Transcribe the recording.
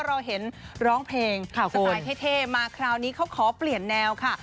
เราเห็นร้องเพลงสไตล์เท่มาคราวนี้เขาขอเปลี่ยนแนวค่ะ